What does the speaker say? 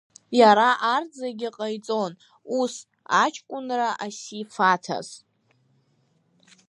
Иара арҭ зегьы ҟаиҵон, ус, аҷкәынра асифаҭаз.